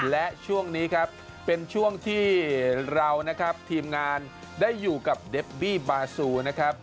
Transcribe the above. และช่วงนี้ครับเป็นช่วงที่เรานะครับทีมงานได้อยู่กับเดบบี้บาซูนะครับ